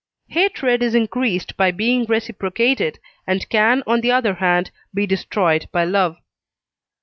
Hatred is increased by being reciprocated, and can on the other hand be destroyed by love.